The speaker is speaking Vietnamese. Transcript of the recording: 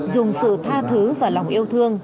dùng sự tha thứ và lòng yêu thương